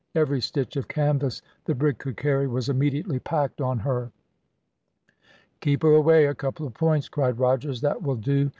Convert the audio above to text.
Every stitch of canvas the brig could carry was immediately packed on her. "Keep her away a couple of points," cried Rogers; "that will do.